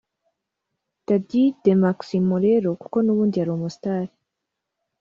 Dady de Maximo rero kuko n’ubundi yari umu star